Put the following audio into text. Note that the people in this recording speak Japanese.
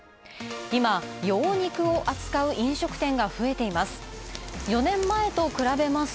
今、羊肉を扱う飲食店が増えています。